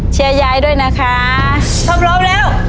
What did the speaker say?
เชียร์ยายด้วยนะครับ